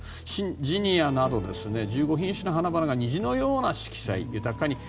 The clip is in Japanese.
ジニアなど１５品種の花々が虹のような色彩豊かに。